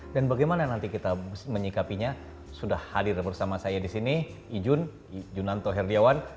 dan bagaimana nanti kita menyikapinya sudah hadir bersama saya di sini ijun junanto herdiawan